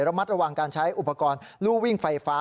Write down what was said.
ระมัดระวังการใช้อุปกรณ์ลู่วิ่งไฟฟ้า